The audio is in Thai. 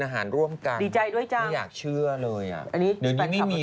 เช้ามาก็กินก่อนไปโรงเรียน